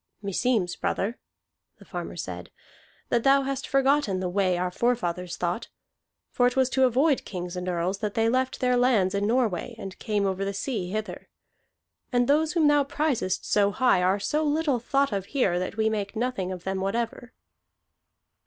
"Meseems, brother," the farmer said, "that thou hast forgotten the way our forefathers thought. For it was to avoid kings and earls that they left their lands in Norway and came over the sea hither. And those whom thou prizest so high are so little thought of here that we make nothing of them whatever."